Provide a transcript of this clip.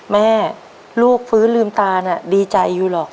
แม่ลูกฟื้นลืมตาน่ะดีใจอยู่หรอก